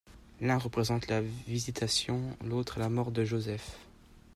L'un représente la Visitation, l'autre La mort de Joseph.